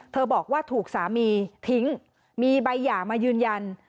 บอกว่าถูกสามีทิ้งมีใบหย่ามายืนยัน